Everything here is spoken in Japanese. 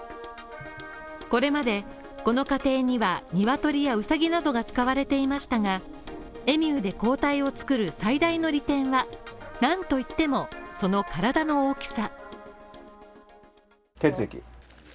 これまで、この過程には、鶏やウサギなどが使われていましたが、エミューで抗体を作る最大の利点はなんといっても、その体の大きさ。